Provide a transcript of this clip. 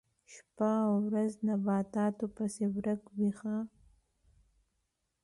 شپه او ورځ نباتاتو پسې ورک وي ښه.